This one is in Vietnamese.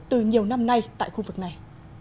từ nhiều năm nay tại khu vực này